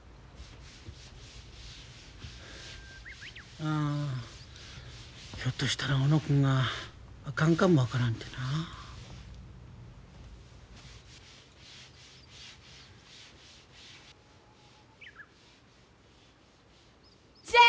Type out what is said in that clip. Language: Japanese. ああひょっとしたら小野君があかんかも分からんてな。じゃん！